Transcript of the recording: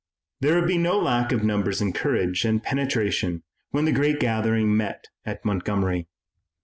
There would be no lack of numbers and courage and penetration when the great gathering met at Montgomery.